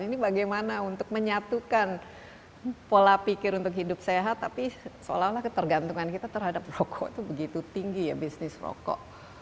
ini bagaimana untuk menyatukan pola pikir untuk hidup sehat tapi seolah olah ketergantungan kita terhadap rokok itu begitu tinggi ya bisnis rokok